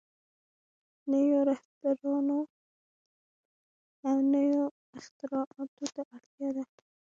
نويو رهبرانو او نويو اختراعاتو ته اړتيا ده.